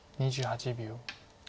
２８秒。